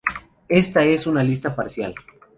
Esta es una lista parcial.